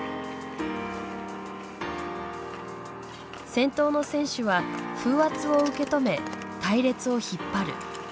先頭の選手は風圧を受け止め隊列を引っ張る。